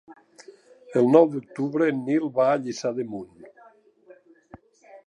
El nou d'octubre en Nil va a Lliçà d'Amunt.